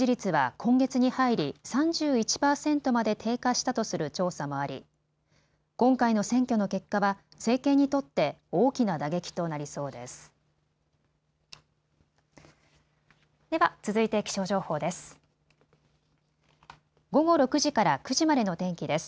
今回の選挙の結果は政権にとって大きな打撃となりそうです。